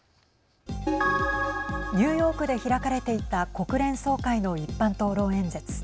ニューヨークで開かれていた国連総会の一般討論演説。